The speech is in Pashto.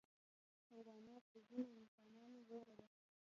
حیوانات د ځینو انسانانو ویره ده.